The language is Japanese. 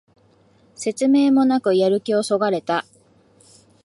説明もなくやる気をそがれた